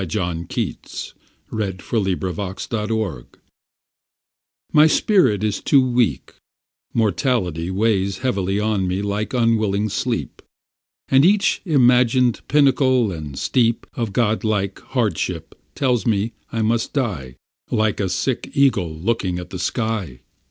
John Keats On Seeing the Elgin Marbles MY spirit is too weak mortality Weighs heavily on me like unwilling sleep And each imagin'd pinnacle and steep Of godlike hardship, tells me I must die Like a sick Eagle looking at the sky.